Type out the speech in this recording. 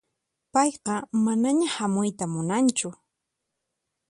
Payqa manaña hamuyta munanchu.